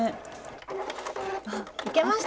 あっいけました！